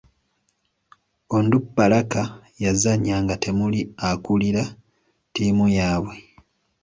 Onduparaka yazannya nga temuli akuulira ttiimu yaabwe.